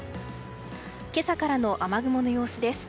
今朝からの雨雲の様子です。